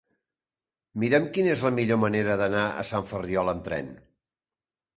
Mira'm quina és la millor manera d'anar a Sant Ferriol amb tren.